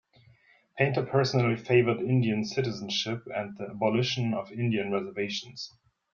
Painter personally favored Indian citizenship and the abolition of Indian reservations.